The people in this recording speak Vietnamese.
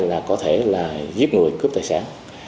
là có thể là giết người cướp tài sản